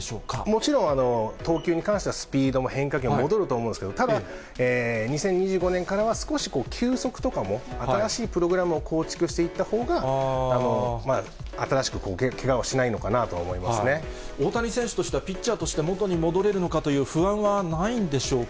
もちろん、投球に関してはスピードも変化球も戻ると思うんですけど、ただ、２０２５年からは、少し球速とかも新しいプログラムを構築していった方が、新しくけ大谷選手としては、ピッチャーとして元に戻れるのかという不安はないんでしょうか。